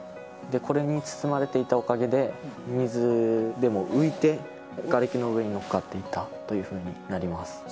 これに包まれていたおかげで、水でも浮いて、がれきの上に乗っかっていたというふうになります。